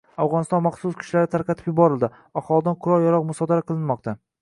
Afg‘oniston maxsus kuchlari tarqatib yuborildi, aholidan qurol-yarog‘lar musodara qilinmoqda